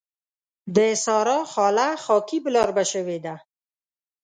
د سارا خاله خاکي بلاربه شوې ده.